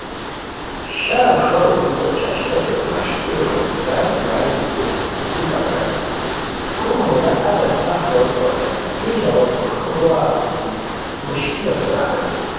شام ݰوئے بیکو چاشٹوت مݰکیرو روئے ایگان ایگان بیتی گیکہ پرانی پُھک مودا اچہ سف روئے توریتانی ای زارؤو کوݰکو موڑا اوتی مشکلو سورا الانی